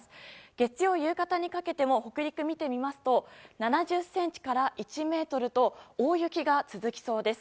月曜夕方にかけても北陸を見てみますと７０ｃｍから１ｍと大雪が続きそうです。